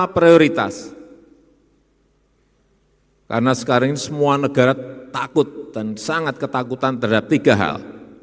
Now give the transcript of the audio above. prioritas karena sekarang ini semua negara takut dan sangat ketakutan terhadap tiga hal